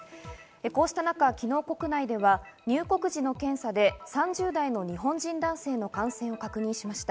こうした中、昨日国内では入国時の検査で３０代の日本人男性の感染を確認しました。